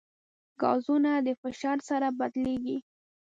ګازونه د فشار سره بدلېږي.